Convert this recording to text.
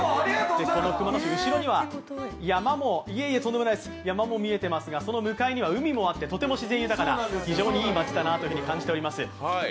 この熊野市、後ろには山も見えていますが、その向かいには海もあってとても自然豊かな非常にいい町だなと感じております。